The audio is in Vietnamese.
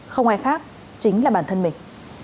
không ai khác chính là bản thân mình